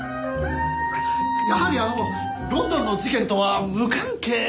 やはりロンドンの事件とは無関係なのでは？